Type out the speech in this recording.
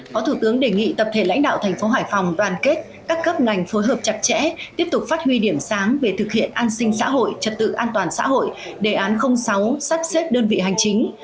phó thủ tướng đề nghị tập thể lãnh đạo thành phố hải phòng đoàn kết các cấp ngành phối hợp chặt chẽ tiếp tục phát huy điểm sáng về thực hiện an sinh xã hội trật tự an toàn xã hội đề án sáu sắp xếp đơn vị hành chính